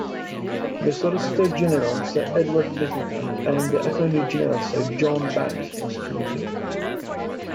The Solicitor-General, Sir Edward Littleton, and the Attorney-General, Sir John Banks, prosecuted.